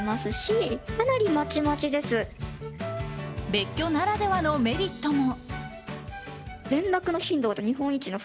別居ならではのメリットも。